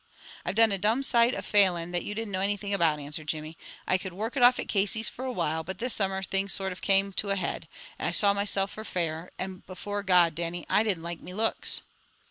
"I've done a domn sight of faleing that you didn't know anything about," answered Jimmy. "I could work it off at Casey's for a while, but this summer things sort of came to a head, and I saw meself for fair, and before God, Dannie, I didn't like me looks."